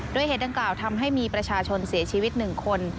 โดยเหตุดังกล่าวทำให้มีประชาชนเสียชีวิต๑คน